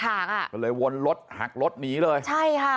เราก็เลยวนรถหักรถหนีเลย